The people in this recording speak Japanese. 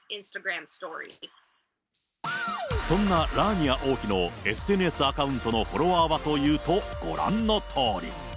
そんなラーニア王妃のＳＮＳアカウントのフォロワーはというと、ご覧のとおり。